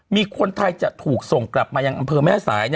มีคนไทยจะถูกส่งกลับมายังอำเภอแม่สาย